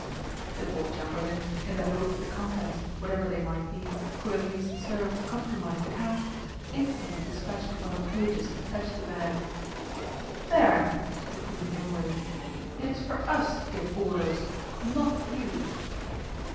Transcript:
The Court Chamberlain, in the hope that the contents, whatever they might be, would at least serve to compromise the Count, instantly despatched one of the pages to fetch the bag. "Baron," said the Queen angrily, "it is for Us to give orders not you!"